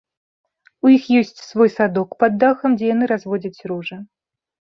У іх ёсць свой садок пад дахам, дзе яны разводзяць ружы.